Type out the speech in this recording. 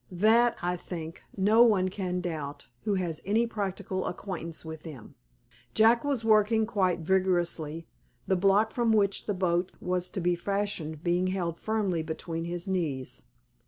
That, I think, no one can doubt who has any practical acquaintance with them. Jack was working quite vigorously, the block from which the boat was to be fashioned being held firmly between his knees.